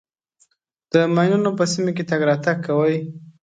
د ماینونو په سیمه کې تګ راتګ کوئ.